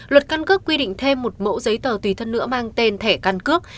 luật căn cước quy định thêm một mẫu giấy tờ tùy thân nữa mang tên thẻ căn cước